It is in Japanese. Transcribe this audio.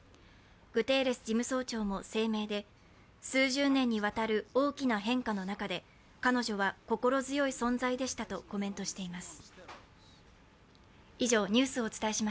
グテーレス事務総長も声明で、数十年にわたる大きな変化の中で彼女は心強い存在でしたとコメントしています。